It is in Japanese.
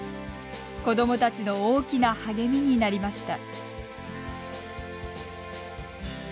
子どもたちの大きな励みになりました。